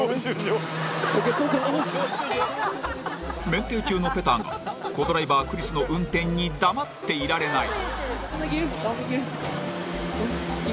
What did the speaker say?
免停中のペターがコ・ドライバー、クリスの運転に黙っていられない。